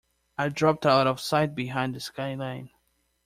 I dropped out of sight behind the sky-line.